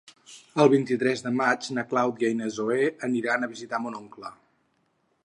El vint-i-tres de maig na Clàudia i na Zoè volen anar a visitar mon oncle.